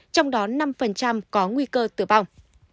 trong đó năm có nguy cơ tử vong